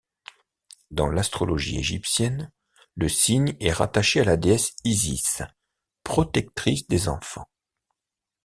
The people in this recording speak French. Dans l'astrologie égyptienne, le signe est rattaché à la déesse Isis, protectrice des enfants.